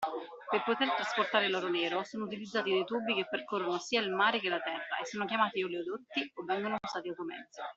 Per poter trasportare l'oro nero sono utilizzati dei tubi che percorrono sia il mare che la terra e sono chiamati oleodotti o vengono usati automezzi.